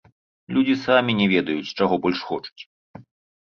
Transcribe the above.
Людзі самі не ведаюць, чаго больш хочуць!